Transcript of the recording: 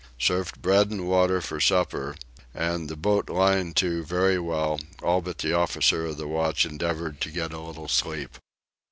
Served bread and water for supper and, the boat lying to very well, all but the officer of the watch endeavoured to get a little sleep.